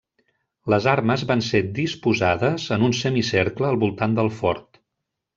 Les armes van ser disposades en un semicercle al voltant del fort.